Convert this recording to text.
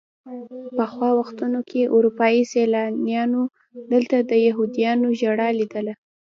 پخوا وختونو کې اروپایي سیلانیانو دلته د یهودیانو ژړا لیدله.